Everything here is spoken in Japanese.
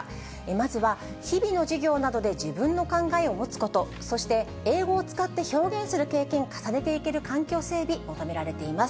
まずは、日々の授業などで自分の考えを持つこと、そして英語を使って表現する経験を重ねていける環境整備、求められています。